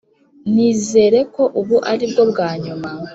nizere ko ubu aribwo bwanyuma